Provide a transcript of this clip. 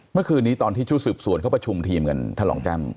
เมื่อคืนนี้ตอนที่ชุดสืบสวนเขาประชุมทีมกันท่านรองแจ้ม